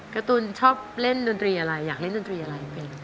การ์ตูนชอบเล่นดนตรีอะไรอยากเล่นดนตรีอะไรเพลง